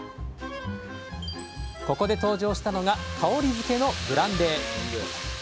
ここで登場したのが香りづけのブランデー。